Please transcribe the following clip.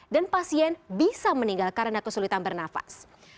dan pasien bisa meninggal karena kesulitan bernafas